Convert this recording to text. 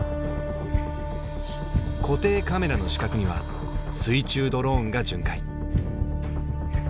固定カメラの死角には水中ドローンが巡回。